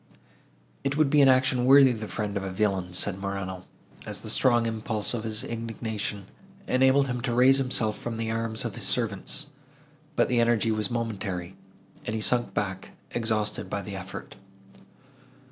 "It would be an action worthy the friend of a villain!" said Morano, as the strong impulse of his indignation enabled him to raise himself from the arms of his servants; but the energy was momentary, and he sunk back, exhausted by the effort.